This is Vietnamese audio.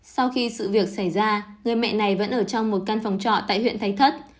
sau khi sự việc xảy ra người mẹ này vẫn ở trong một căn phòng trọ tại huyện thạch thất